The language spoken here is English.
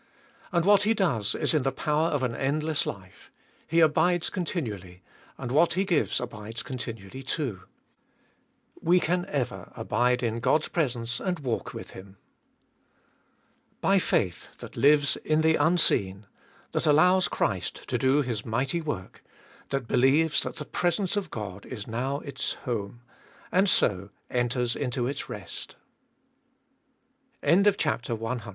And what He does is In the power of an endless life; He abides continually, and what He gives abides continually too. We can euer abide in God's presence and walk with Him. 3. By faith, that Hues In the unseen ; that allows Christ to do His mighty work ; that believes that the presence of God is now its home ; and so enters into